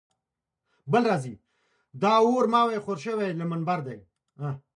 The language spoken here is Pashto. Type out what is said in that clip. دا اور مـــا وې خور شــوے لۀ منـبر دے تا وې نۀ دے